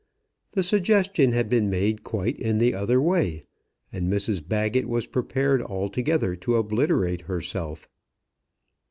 The suggestion had been made quite in the other way, and Mrs Baggett was prepared altogether to obliterate herself.